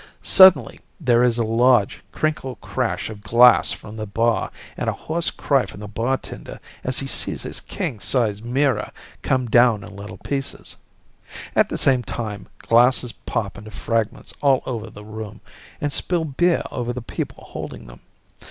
Suddenly there is a large crinkle crash of glass from the bar and a hoarse cry from the bartender as he sees his king size mirror come down in little pieces. At the same time, glasses pop into fragments all over the room and spill beer over the people holding them.